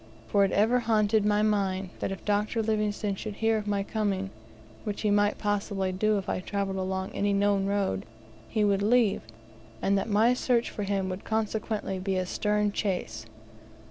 For it ever haunted my mind, that, if Dr. Livingstone should hear of my coming, which he might possibly do if I travelled along any known road, he would leave, and that my search for him would consequently be a "stern chase."